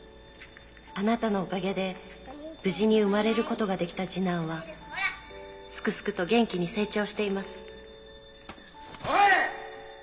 「あなたのおかげで無事に生まれることができた次男はすくすくと元気に成長しています」おい！